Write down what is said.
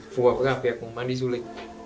phù hợp với việc mang đi du lịch